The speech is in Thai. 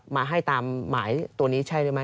มาให้ตามหมายตัวนี้ใช่ไหม